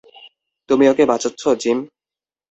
তুমি ওকে বাঁচাচ্ছ, জিম?